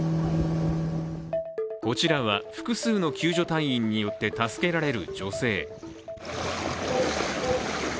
こちらは複数の救助隊員によって助けられる女性。